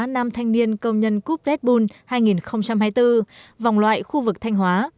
năm thanh niên công nhân cúp red bull hai nghìn hai mươi bốn vòng loại khu vực thanh hóa